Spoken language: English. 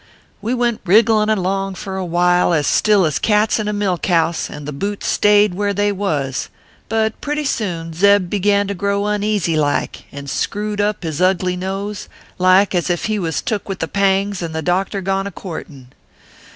" We went wrigglin along for a while as still as cats in a milk house, and the butes stayed where they was. But pretty soon Zeb began to grow uneasy like, and screwed up his ugly nose, like as if he was took with the pangs, and the doctor gone a courtin